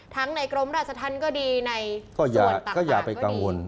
ทั้งในกรมราชธรรมก็ดีในส่วนต่างก็ดี